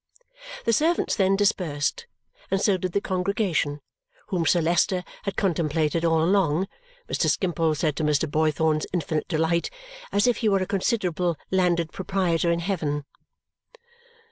The servants then dispersed, and so did the congregation, whom Sir Leicester had contemplated all along (Mr. Skimpole said to Mr. Boythorn's infinite delight) as if he were a considerable landed proprietor in heaven.